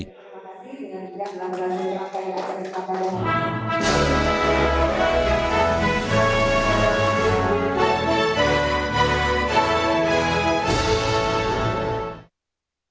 pada tahun ini sebanyak seratus kepala daerah telah mendaftar para legal justice